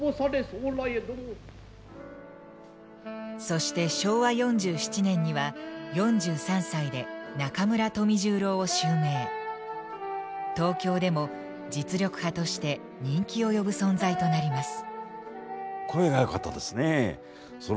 そして昭和４７年には東京でも実力派として人気を呼ぶ存在となります。